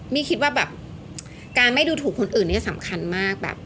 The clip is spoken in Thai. มี่คิดว่าการไม่ดูถูกคนอื่นนี่สำคัญมาก